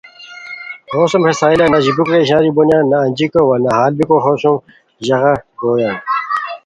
ہوسوم ہے ساحلہ نہ ژیبیکو کیہ اشناری بونیان نہ انجیکو وا نہ ہال بیکو ہو سوم ژاغہ بویان